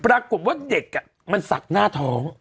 ปรากฏว่าเด็กมันสักหน้าท้อง